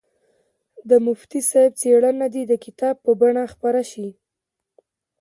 د مفتي صاحب څېړنه دې د کتاب په بڼه خپره شي.